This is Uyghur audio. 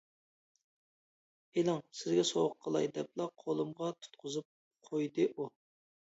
-ئىلىڭ، سىزگە سوۋغا قىلاي! —دەپلا قولۇمغا تۇتقۇزۇپ قويدى ئۇ.